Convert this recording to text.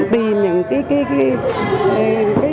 tìm những cái